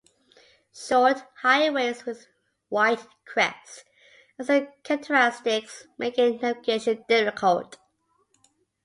Short, high waves with white crests are its characteristics, making the navigation difficult.